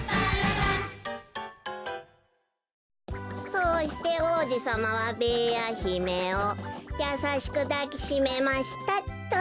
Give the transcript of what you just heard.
「そうして王子様はべーやひめをやさしくだきしめました」っと。